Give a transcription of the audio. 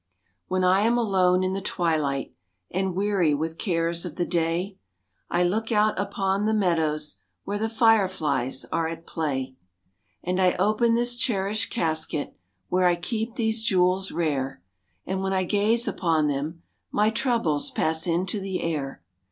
When I am alone in the twilight, And weary with cares of the day, I look out upon the meadows, Where the fire flies are at play,— And I open this cherished casket, Where I keep these jewels rare, And when I gaze upon them My troubles pass into the air.